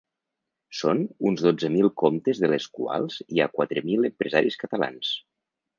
Són uns dotze mil comptes de les quals hi ha quatre mil empresaris catalans.